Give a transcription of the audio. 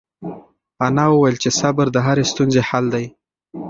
انا وویل چې صبر د هرې ستونزې حل دی.